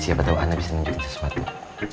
siapa tau ana bisa nunjukin sesuatu